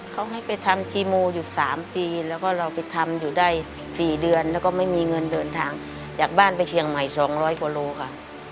เขาให้ไปทำคีโมอยู่๓ปีแล้วก็เราไปทำอยู่ได้๔เดือนแล้วก็ไม่มีเงินเดินทางจากบ้านไปเชียงใหม่๒๐๐กว่าโลค่ะ